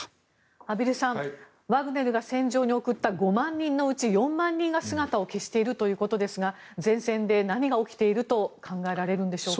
畔蒜さん、ワグネルが戦場に送った５万人のうち４万人が姿を消しているということですが前線で何が起きていると考えられるんでしょうか。